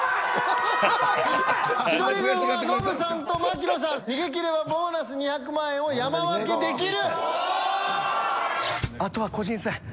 千鳥軍は、ノブさんと槙野さんが逃げ切ればボーナス２００万を山分けできる。